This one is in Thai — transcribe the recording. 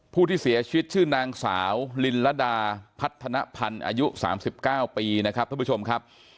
ผู้ที่เสียชีวิตชื่อนางสาวลินระดาพัฒนภัณฑ์อายุ๓๙ปีนะครับท่านผู้ชมครับ